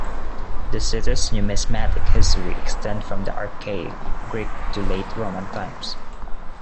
The city's numismatic history extends from archaic Greek to late Roman times.